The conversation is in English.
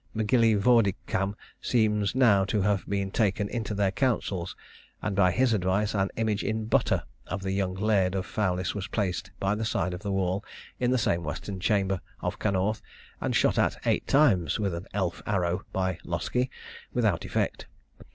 M'Gillievoricdam seems now to have been taken into their counsels; and by his advice, an image in butter of the young Laird of Fowlis was placed by the side of the wall in the same western chamber of Canorth, and shot at eight times with an elf arrow by Loskie, without effect.